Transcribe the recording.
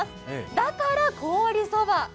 だから凍りそば。